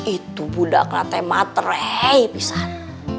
itu budak kena temater hei pisar